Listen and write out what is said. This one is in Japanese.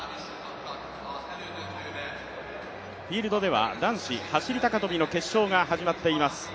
フィールドでは男子走高跳の決勝が始まっています。